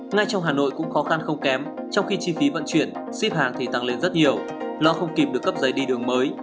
ngay trong hà nội cũng khó khăn không kém trong khi chi phí vận chuyển ship hàng thì tăng lên rất nhiều lo không kịp được cấp giấy đi đường mới